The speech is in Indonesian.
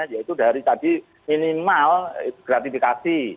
yaitu dari tadi minimal gratifikasi